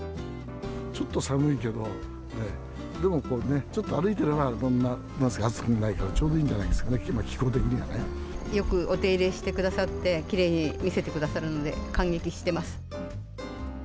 ちょっと寒いけど、でもちょっと歩いたら暑くもないから、ちょうどいいんじゃないですかね、気候的にはね。よくお手入れしてくださって、きれいに見せてくださるので感激しています。